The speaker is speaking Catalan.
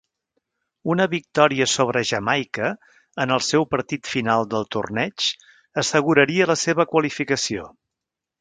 Una victòria sobre Jamaica en el seu partit final del torneig asseguraria la seva qualificació.